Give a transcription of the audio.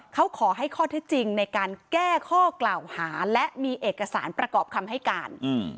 เขาขอให้ข้อเท็จจริงในการแก้ข้อกล่าวหาและมีเอกสารประกอบคำให้การ